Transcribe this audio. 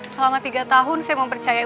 selama tiga tahun saya mempercaya